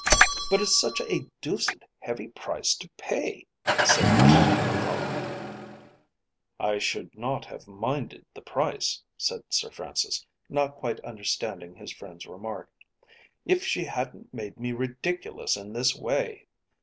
"But it's such a deuced heavy price to pay," said Captain McCollop. "I should not have minded the price," said Sir Francis, not quite understanding his friend's remark, "if she hadn't made me ridiculous in this way.